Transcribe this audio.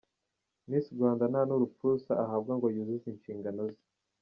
Miss Rwanda nta n’urupfusha ahabwa ngo yuzuze inshingano ze.